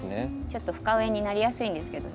ちょっと深植えになりやすいんですけど。